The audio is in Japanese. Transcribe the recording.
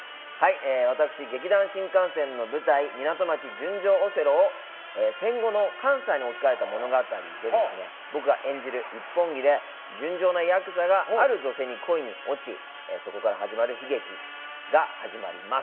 私、劇団☆新感線の舞台「ミナト町純情オセロ」を戦後の関西に置き換えた物語で僕が演じる一本気で純情なやくざがある女性に恋に落ちそこから悲劇が始まります。